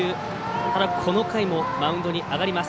ただ、この回もマウンドに上がります。